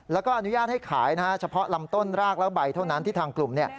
แล้วก็อนุญาตให้ขายนะฮะเฉพาะลำต้นรากและใบเท่านั้นที่ทางกลุ่มเนี่ย